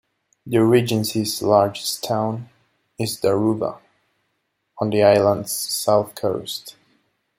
The regency's largest town is Daruba, on the island's south coast.